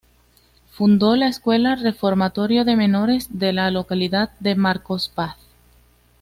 Fundó la Escuela Reformatorio de Menores de la localidad de Marcos Paz.